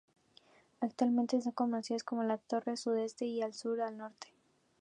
Actualmente son conocidas como la Torre Sudeste, la Sur y la Norte.